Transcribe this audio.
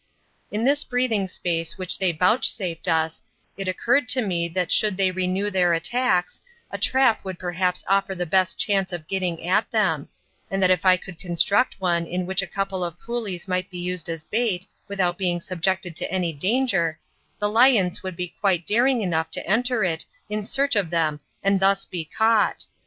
In this breathing space which they vouchsafed us, it occurred to me that should they renew their attacks, a trap would perhaps offer the best chance of getting at them, and that if I could construct one in which a couple of coolies might be used as bait without being subjected to any danger, the lions would be quite daring enough to enter it in search of them and thus be caught.